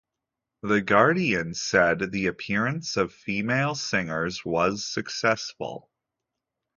"The Guardian" said the appearance of female singers was successful.